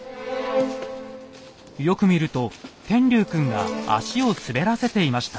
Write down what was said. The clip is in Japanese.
よく見ると天龍くんが足を滑らせていました。